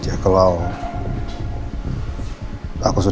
aku sudah putuskan untuk melakukan tes dna terhadap gesha